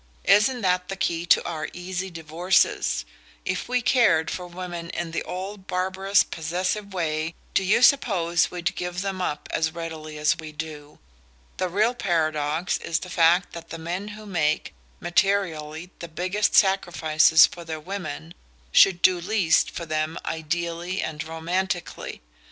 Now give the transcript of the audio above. "Isn't that the key to our easy divorces? If we cared for women in the old barbarous possessive way do you suppose we'd give them up as readily as we do? The real paradox is the fact that the men who make, materially, the biggest sacrifices for their women, should do least for them ideally and romantically.